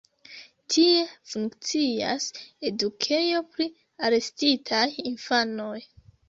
Tie funkcias edukejo pri arestitaj infanoj.